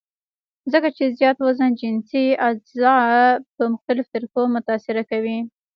ځکه چې زيات وزن جنسي اعضاء پۀ مختلفوطريقو متاثره کوي -